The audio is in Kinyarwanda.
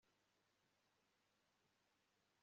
Ingingo ya Igenwa ry inzego z imirimo